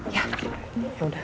ya ya sudah